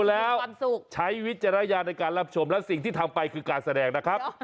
แล้วใช้วิจารณญาณในการรับชมและสิ่งที่ทำไปคือการแสดงนะครับ